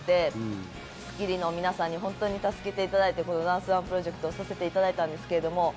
『スッキリ』の皆さんにホントに助けていただいてこのダンスＯＮＥプロジェクトをさせていただいたんですけれども。